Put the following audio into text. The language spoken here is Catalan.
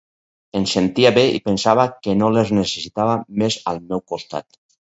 Em sentia bé i pensava que no les necessitava més al meu costat.